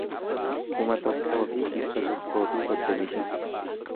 kuma tokkoo fi dhibba tokkoo fi soddomii shan